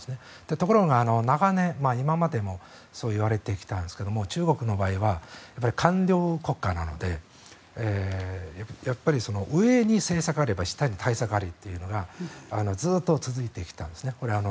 ところが、長年今までもそういわれてきたんですが中国の場合は官僚国家なのでやっぱり上に政策があれば下に対策ありというのがずっと続いてきたんです。